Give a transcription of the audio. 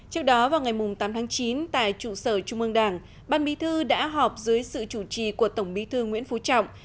trước đó vào ngày tám tháng chín tại trụ sở trung ương đảng ban bí thư đã họp dưới sự chủ trì của tổng bí thư nguyễn phú trọng